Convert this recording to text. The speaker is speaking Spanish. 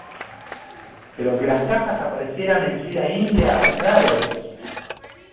pero que las cajas aparecieran en fila india es raro.